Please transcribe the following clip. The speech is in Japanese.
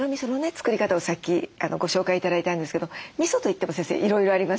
作り方をさっきご紹介頂いたんですけどみそといっても先生いろいろありますよね？